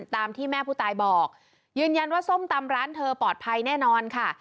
ตามที่แม่ผู้ตายบอกยืนยันว่าส้มตำร้านเธอปลอดภัยแน่นอนค่ะ